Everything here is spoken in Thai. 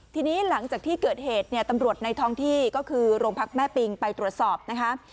ทีนี้หลังจากที่เกิดเหตุเนี่ยตำรวจในท้องที่ก็คือโรงพักแม่ปิงไปตรวจสอบนะคะ